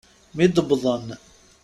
Mi d-wwḍen.